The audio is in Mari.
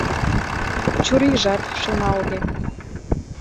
Чурийжат шемалге.